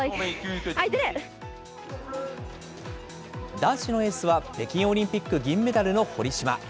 男子のエースは、北京オリンピック銀メダルの堀島。